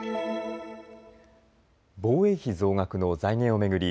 防衛費増額の財源を巡り